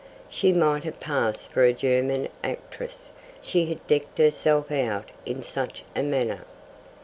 She might have passed for a German actress, she had decked herself out in such a manner.